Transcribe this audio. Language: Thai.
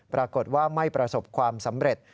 ปรากฏว่าไม่ประสบความสำเร็จ